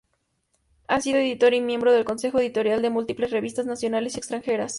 Ha sido editor y miembro del Consejo Editorial de múltiples revistas nacionales y extranjeras.